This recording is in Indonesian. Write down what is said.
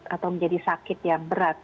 atau menjadi sakit yang berat